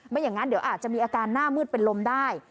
อย่างนั้นเดี๋ยวอาจจะมีอาการหน้ามืดเป็นลมได้